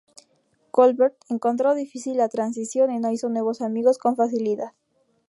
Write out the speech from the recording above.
Colbert encontró difícil la transición y no hizo nuevos amigos con facilidad.